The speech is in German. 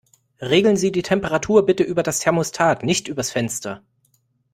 Regeln Sie die Temperatur bitte über das Thermostat, nicht übers Fenster.